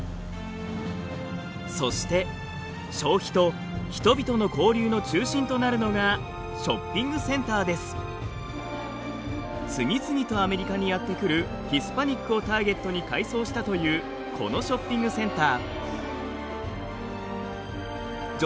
そして消費と人々の交流の中心となるのが次々とアメリカにやって来るヒスパニックをターゲットに改装したというこのショッピングセンター。